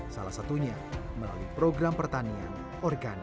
salah satunya melalui program pertanian organik